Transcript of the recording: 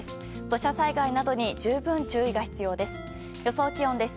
土砂災害などに十分注意が必要です。